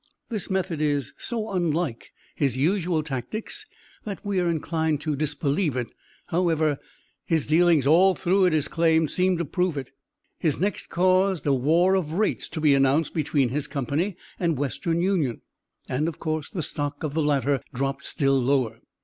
This method is so unlike his usual tactics that we are inclined to disbelieve it; however, his dealings all through, it is claimed, seem to prove it. He next caused a war of rates to be announced between his company and Western Union, and of course, the stock of the latter dropped still lower.